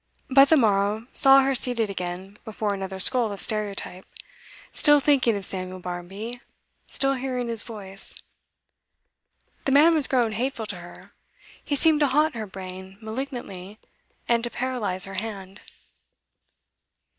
But the morrow saw her seated again before another scroll of stereotype, still thinking of Samuel Barmby, still hearing his voice. The man was grown hateful to her; he seemed to haunt her brain malignantly, and to paralyse her hand.